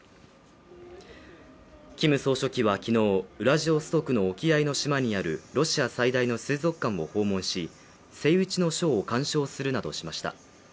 キム総書記は昨日、ウラジオストクの沖合の島にあるロシア最大の水族館を訪問しセイウチのショーを鑑賞するなどしました。